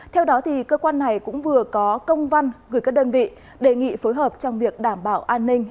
theo đó cơ quan này cũng vừa có công văn gửi các đơn vị đề nghị phối hợp trong việc đảm bảo an ninh